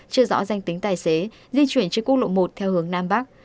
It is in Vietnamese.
chưa rõ danh tính tài xế di chuyển trên quốc lộ một theo hướng nam bắc